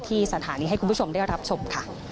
สถานีให้คุณผู้ชมได้รับชมค่ะ